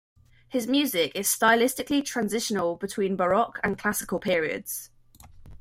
His music is stylistically transitional between Baroque and Classical periods.